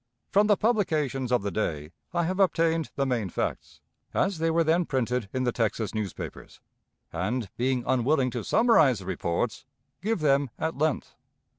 From the publications of the day I have obtained the main facts, as they were then printed in the Texas newspapers, and, being unwilling to summarize the reports, give them at length.